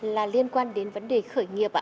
là liên quan đến vấn đề khởi nghiệp